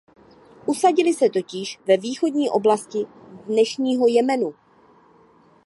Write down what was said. Usadili se totiž ve východní oblasti dnešního Jemenu.